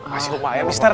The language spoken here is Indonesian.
masih lupa ya mister